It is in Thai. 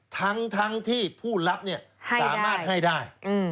ทั้งที่ผู้รับสามารถให้ได้